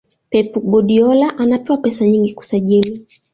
pep guardiola anapewa pesa nyingi kusajili